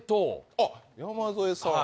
あっ山添さん。